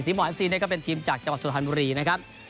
หมอเอฟซีเนี่ยก็เป็นทีมจากจังหวัดสุพรรณบุรีนะครับ